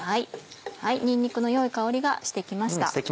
にんにくの良い香りがして来ました。